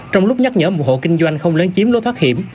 trong lúc nhắc nhở một hộ kinh doanh không lớn chiếm lối thoát hiểm